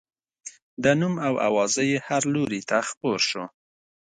د نوم او اوازې یې هر لوري ته خپور شو.